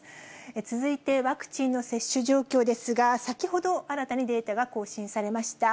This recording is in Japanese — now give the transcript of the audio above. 続いて、ワクチンの接種状況ですが、先ほど、新たにデータが更新されました。